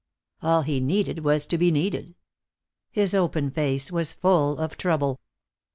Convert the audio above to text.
All he needed was to be needed. His open face was full of trouble.